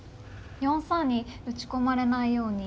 ４三に打ち込まれないように。